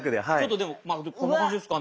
でもまあこんな感じですかね。